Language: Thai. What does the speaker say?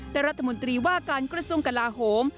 และรัฐมนตรีว่าการกระทรวงกลาโหม